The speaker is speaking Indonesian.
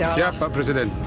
siap pak presiden